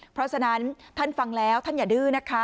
เพราะฉะนั้นท่านฟังแล้วท่านอย่าดื้อนะคะ